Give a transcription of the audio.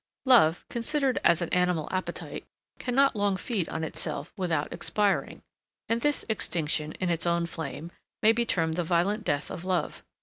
Love, considered as an animal appetite, cannot long feed on itself without expiring. And this extinction, in its own flame, may be termed the violent death of love.